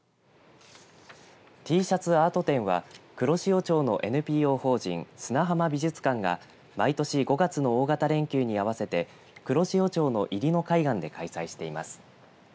Ｔシャツアート展は黒潮町のＮＰＯ法人砂浜美術館が毎年５月の大型連休に合わせて黒潮町の入野海岸で開催しています。